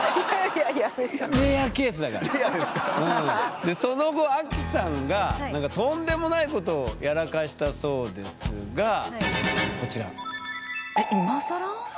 でその後アキさんがなんかとんでもないことをやらかしたそうですがこちら。